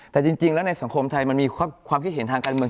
แต่จริงแล้วในสังคมไทยมันมีความคิดเห็นทางการเมือง